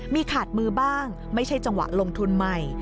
มีขาดมือบ้างไม่ใช่จังหวะลงทุนใหม่